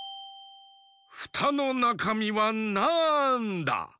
フタのなかみはなんだ？